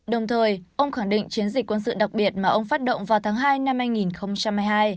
đồng thời ông khẳng định chiến dịch quân sự đặc biệt mà ông phát động vào tháng hai năm hai nghìn hai mươi hai